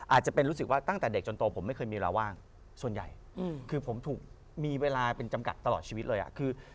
อาจจะเป็นรู้สึกว่าตั้งแต่เด็กจนโตผมไม่เคยมีเวลาว่างส่วนใหญ่คือผมถูกมีเวลาเป็นจำกัดตลอดชีวิตเลยอ่ะคือ